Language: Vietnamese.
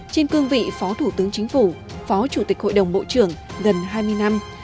trên cương vị phó thủ tướng chính phủ phó chủ tịch hội đồng bộ trưởng gần hai mươi năm